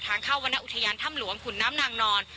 ทางเข้าวรรณอุทยานถ้ำหลวงขุนน้ำนางนอน